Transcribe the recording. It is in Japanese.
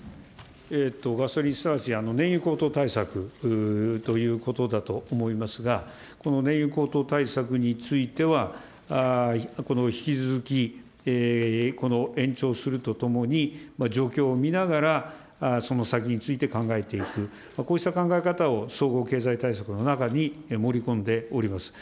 ガソリン、すなわち燃油高騰対策ということだと思いますが、この燃油高騰対策については、引き続き延長するとともに、状況を見ながら、その先について考えていく、こうした考え方を総合経済対策の中に盛り込んでおります。